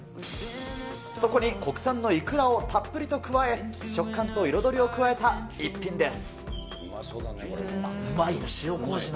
そこに国産のイクラをたっぷりと加え、食感と彩りを加えた逸品です。